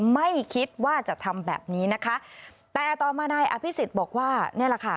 ไม่คิดว่าจะทำแบบนี้นะคะแต่ต่อมานายอภิษฎบอกว่านี่แหละค่ะ